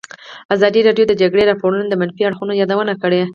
ازادي راډیو د د جګړې راپورونه د منفي اړخونو یادونه کړې.